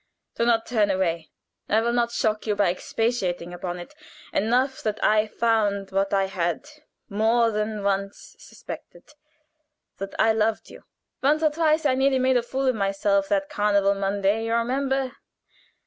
do not turn away. I will not shock you by expatiating upon it. Enough that I found what I had more than once suspected that I loved you. Once or twice I nearly made a fool of myself; that Carnival Monday do you remember?